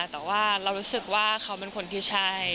แต่ว่าเรารู้สึกว่าเขาเป็นคนที่ใช่